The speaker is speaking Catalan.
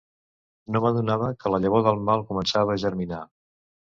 No m'adonava que la llavor del mal començava a germinar.